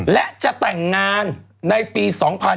และจะแต่งงานในปี๒๕๕๙